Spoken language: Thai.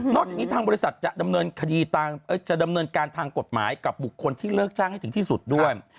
จากนี้ทางบริษัทจะดำเนินการทางกฎหมายกับบุคคลที่เลิกจ้างให้ถึงที่สุดด้วย